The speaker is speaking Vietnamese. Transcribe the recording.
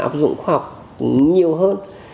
áp dụng khoa học nhiều hơn